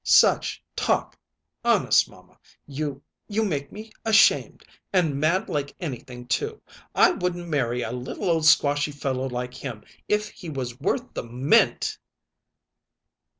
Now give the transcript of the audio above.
"Such talk! Honest, mamma, you you make me ashamed, and mad like anything, too. I wouldn't marry a little old squashy fellow like him if he was worth the mint."